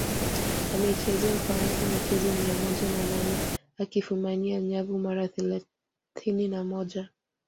Ameichezea Ufaransa michezo mia moja na nane akifumania nyavu mara thelathini na moja